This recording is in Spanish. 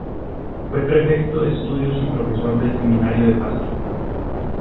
Fue Prefecto de Estudios y Profesor del Seminario de Pasto.